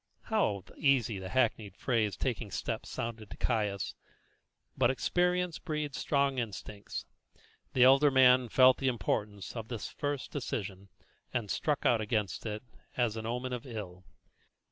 How easy the hackneyed phrase "taking steps" sounded to Caius! but experience breeds strong instincts. The elder man felt the importance of this first decision, and struck out against it as an omen of ill.